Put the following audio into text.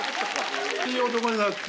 いい男になって。